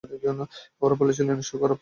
ওরা বলেছিল ইনস্টল করার পর ওটা খেয়ো না।